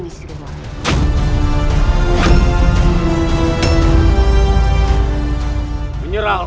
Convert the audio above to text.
itu adalah akan berhasil